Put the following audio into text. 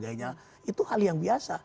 itu hal yang biasa